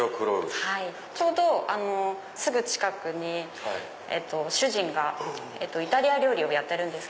ちょうどすぐ近くに主人がイタリア料理をやってるんです。